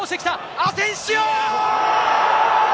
アセンシオ。